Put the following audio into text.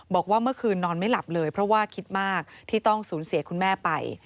บอกว่าเมื่อคืนนอนไม่หลับเลยเพราะว่าคิดมากที่ต้องสูญเสียคุณแม่ไป